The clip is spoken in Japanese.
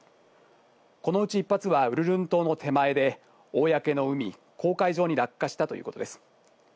このうち１発はウルルン島の手前でおおやけの海、公海上に落下したということです。